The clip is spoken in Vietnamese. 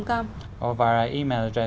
hoặc địa chỉ email